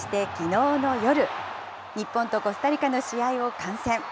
日本とコスタリカの試合を観戦。